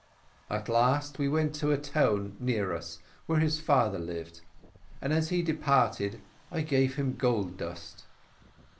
At last he went to a town near us where his father lived, and as he departed I gave him gold dust.